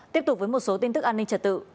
tiếp tục với một số tin tức an ninh trật tự